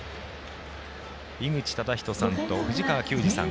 井口資仁さんと藤川球児さん